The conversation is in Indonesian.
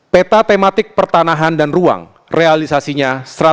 peta tematik pertanahan dan ruang realisasinya satu ratus empat puluh tiga dua puluh sembilan